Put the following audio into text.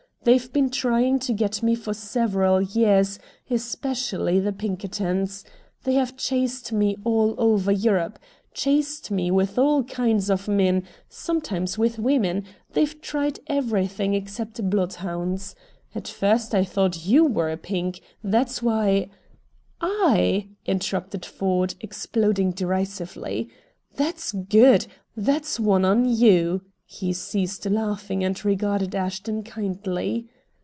They've been trying to get me for several years especially the Pinkertons. They have chased me all over Europe. Chased me with all kinds of men; sometimes with women; they've tried everything except blood hounds. At first I thought YOU were a 'Pink,' that's why " "I!" interrupted Ford, exploding derisively. "That's GOOD! That's one on YOU." He ceased laughing and regarded Ashton kindly.